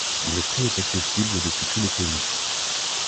Le prix est accessible depuis tous les pays.